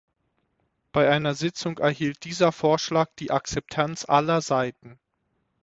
Bei einer Sitzung erhielt dieser Vorschlag die Akzeptanz aller Seiten.